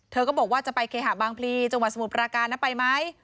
ก็บอกว่าจะไปเคหะบางพลีจังหวัดสมุทรปราการนะไปไหม